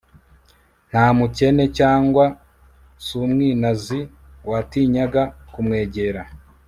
Nta mukene cyangwa sumwinazi watinyaga kumwegera